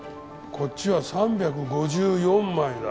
こっちは３５４枚だ。